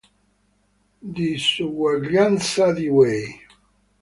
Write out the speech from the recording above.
Disuguaglianza di Weyl